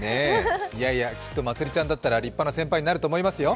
いやいや、きっとまつりちゃんだったら立派な先輩になりますよ。